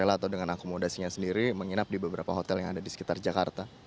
atau dengan akomodasinya sendiri menginap di beberapa hotel yang ada di sekitar jakarta